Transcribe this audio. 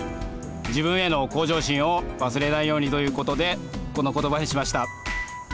自分への向上心を忘れないようにという事でこの言葉にしました。